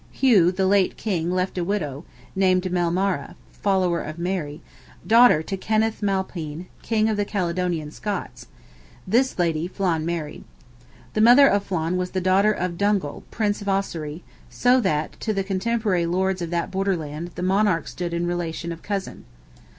Hugh, the late king, left a widow, named Maelmara ("follower of Mary"), daughter to Kenneth M'Alpine, King of the Caledonian Scots: this lady Flan married. The mother of Flan was the daughter of Dungal, Prince of Ossory, so that to the cotemporary lords of that borderland the monarch stood in the relation of cousin.